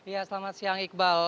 ya selamat siang iqbal